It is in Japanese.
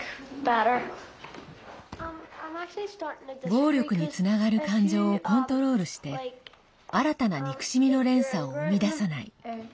暴力につながる感情をコントロールして新たな憎しみの連鎖を生み出さない。